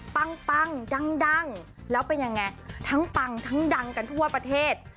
ปั้งดังแล้วเป็นยังไงทั้งปังทั้งดังกันทั่วประเทศ